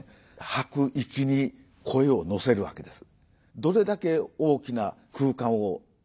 吐く息に声を乗せるわけです。